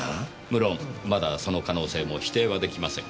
無論まだその可能性も否定は出来ませんが。